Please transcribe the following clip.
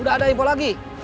udah ada info lagi